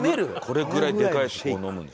これぐらいでかいやつこう飲む。